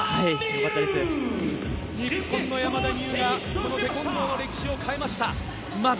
日本の山田美諭がこのテコンドーの歴史を変えました。